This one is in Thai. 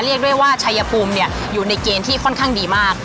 เรียกได้ว่าชายภูมิอยู่ในเกณฑ์ที่ค่อนข้างดีมาก